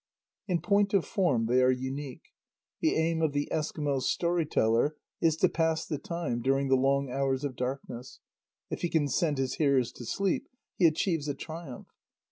In point of form they are unique. The aim of the Eskimo story teller is to pass the time during the long hours of darkness; if he can send his hearers to sleep, he achieves a triumph.